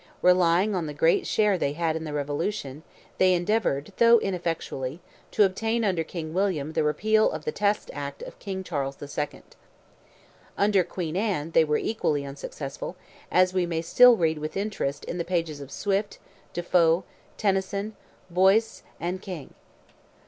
Relying on the great share they had in the revolution, they endeavoured, though ineffectually, to obtain under King William the repeal of the Test Act of King Charles II. Under Queen Anne they were equally unsuccessful, as we may still read with interest in the pages of Swift, De Foe, Tennison, Boyse, and King.